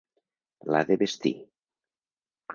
L'ha de vestir...